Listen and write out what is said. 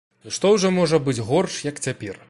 Ну што ўжо можа быць горш, як цяпер?